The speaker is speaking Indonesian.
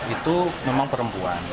itu memang perempuan